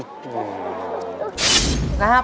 จำนวน๗ดอกครับ